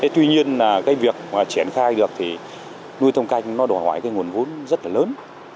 tuy nhiên việc triển khai được thì nuôi thông canh nó đòi hỏi nguồn vốn rất là lớn